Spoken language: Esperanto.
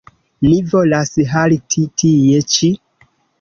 Ni volas halti tie ĉi.